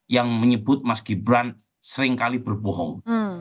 yang menyebut mas gibran seringkali berbohong